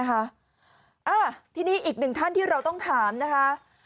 ทีนี้อีกหนึ่งท่านที่เราต้องถามนะคะ